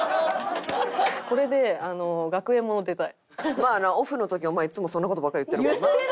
まあなオフの時お前いつもそんな事ばっか言ってるもんな。